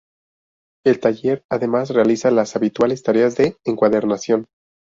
El taller, además, realiza las habituales tareas de encuadernación.